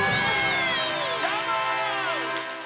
どーも！